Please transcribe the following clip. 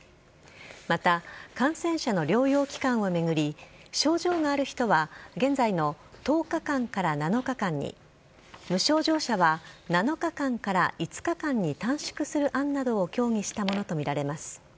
また、感染者の療養期間を巡り症状がある人は現在の１０日間から７日間に無症状者は７日間から５日間に短縮する案などを協議したものとみられます。